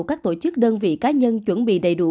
các tổ chức đơn vị cá nhân chuẩn bị đầy đủ